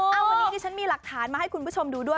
วันนี้ดิฉันมีหลักฐานมาให้คุณผู้ชมดูด้วย